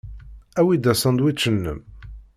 Awi-d asandwič-nnem.